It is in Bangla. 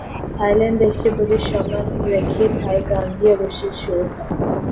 থাইল্যান্ড দেশটির প্রতি সম্মান রেখেই থাই গান দিয়ে অনুষ্ঠান শুরু হয়।